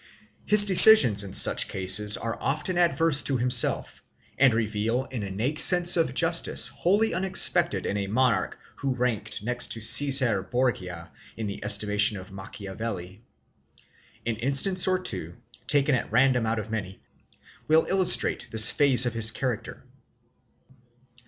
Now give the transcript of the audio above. His decisions in such cases are often adverse to himself and reveal an innate sense of justice wholly unexpected in a monarch who ranked next to Cesar Borgia in the estimation of Machiavelli. An instance or two, taken at random out of many, will illustrate this phase of his character.